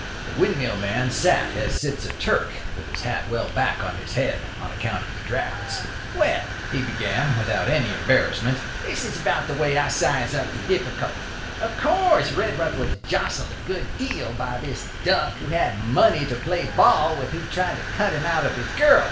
The windmill man sat as sits a Turk, with his hat well back on his head on account of the draughts. "Well," he began, without any embarrassment, "this is about the way I size up the difficulty: Of course Redruth was jostled a good deal by this duck who had money to play ball with who tried to cut him out of his girl.